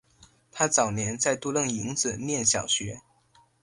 他早年在都楞营子念小学。